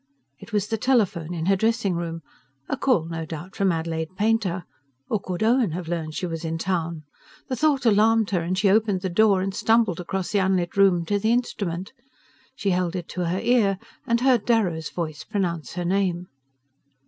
It was the telephone in her dressing room a call, no doubt, from Adelaide Painter. Or could Owen have learned she was in town? The thought alarmed her and she opened the door and stumbled across the unlit room to the instrument. She held it to her ear, and heard Darrow's voice pronounce her name.